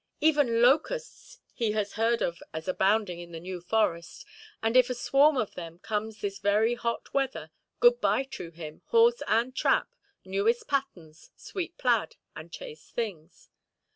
Even locusts he has heard of as abounding in the New Forest; and if a swarm of them comes this very hot weather, good–bye to him, horse and trap, newest patterns, sweet plaid, and chaste things.